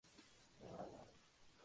Esta escena nunca fue usada.